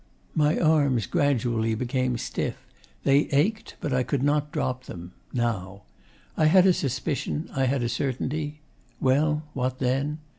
My arms gradually became stiff; they ached; but I could not drop them now. I had a suspicion, I had a certainty. Well, what then?...